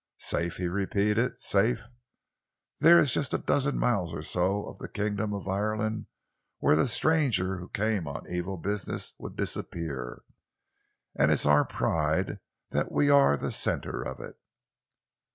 "Safe!" he repeated. "Safe! There is just a dozen miles or so of the Kingdom of Ireland where the stranger who came on evil business would disappear, and it's our pride that we are the centre of it."